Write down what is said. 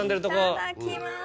いただきます。